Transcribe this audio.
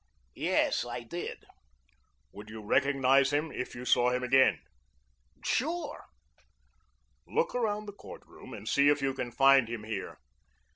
"Yes, I did." "Would you recognize him if you saw him again?" "Sure." "Look around the court room and see if you can find him here."